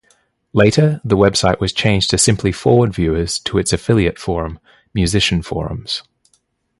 Later, the website was changed to simply forward viewers to its affiliate forum, MusicianForums.